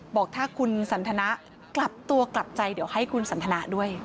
บอกถ้าคุณสันทนากลับตัวกลับใจเดี๋ยวให้คุณสันทนาด้วย